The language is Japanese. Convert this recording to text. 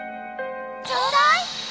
ちょうだい！